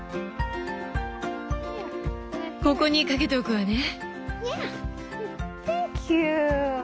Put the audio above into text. ここに掛けておくわね。